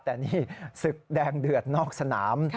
แต่นี่ศึกแดงเดือดนอกสนาม